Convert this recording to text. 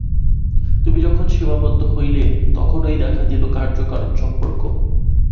তুমি যখন সীমাবদ্ধ হইলে, তখনই দেখা দিল কার্য-কারণ সম্পর্ক।